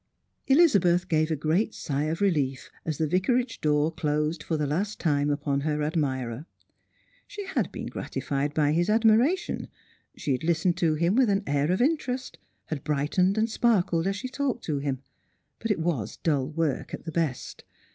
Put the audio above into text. Elizabeth gave a great sigh of relief as the Vicarage door closed for the last time upon her admirer. She had been grati fied by his admiration, she had listened to him with an air of interest, had brightened and sparkled as she talked to him ; but it was dull work at the best.